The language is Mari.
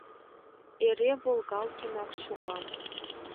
Эре волгалтынак шога.